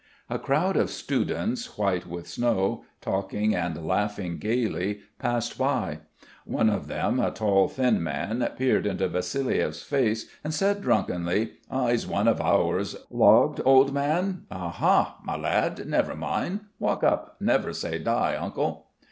A crowd of students white with snow, talking and laughing gaily, passed by. One of them, a tall, thin man, peered into Vassiliev's face and said drunkenly, "He's one of ours. Logged, old man? Aha! my lad. Never mind. Walk up, never say die, uncle."